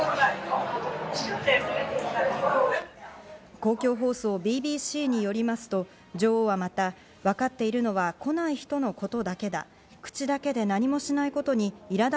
公共放送ＢＢＣによりますと、女王はまた、わかっているのは来ない人のことだけだ。